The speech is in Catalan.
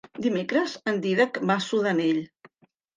Dimecres en Dídac va a Sudanell.